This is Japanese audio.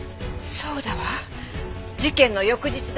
そうだわ事件の翌日だった。